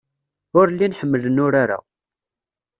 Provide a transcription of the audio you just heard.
Ur llin ḥemmlen urar-a.